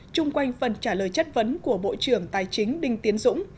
trung quanh phần trả lời chất vấn của bộ trưởng tài chính đinh tiến dũng